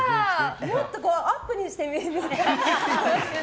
もっとアップにして見たい。